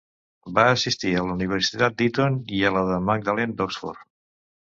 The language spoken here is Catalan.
Va assistir a la universitat d'Eton i a la de Magdalen d'Oxford.